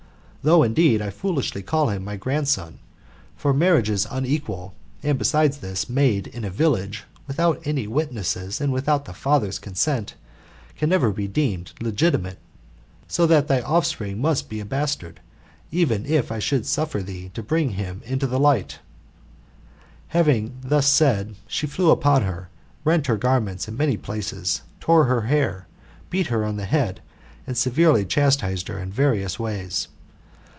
Though, indeed, I foolishly call him my grandson ; for marriages un equal, and, besides this, made in a village, without any witnesses, and without the father's consent, can never be deemed legitimate; so that thy offspring must be a bastard, even if I should suffer thee to bring him into the light Having thus said, she flew upon her, rent her garments in many places, tore her hair, beat her on the head, and severely chastised her in various ways.